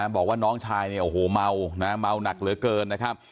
บอกว่าน้องชายเนี่ยโอ้โหเมานะเมาหนักเหลือเกินนะครับ